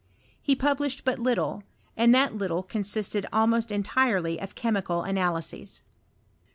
He published but little, and that little consisted almost entirely of chemical analyses.